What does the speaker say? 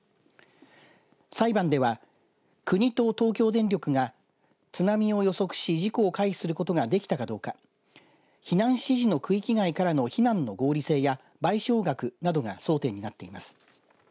裁判では国と東京電力が津波を予測し、事故を回避することができたかどうか避難指示の区域外からの避難の合理性や賠償額などが争点になっています。